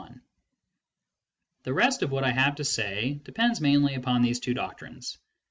^ The rest of what I have to say depends mainly upon these two doctrines.